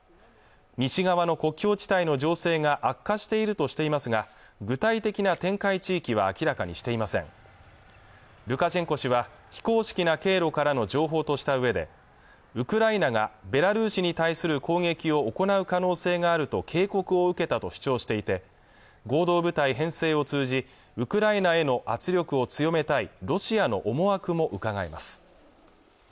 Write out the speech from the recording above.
西側の国境地帯の情勢が悪化しているとしていますが具体的な展開地域は明らかにしていませんルカシェンコ氏は非公式な経路からの情報とした上でウクライナがベラルーシに対する攻撃を行う可能性があると警告を受けたと主張していて合同部隊編成を通じウクライナへの圧力を強めたいロシアの思惑もうかがえます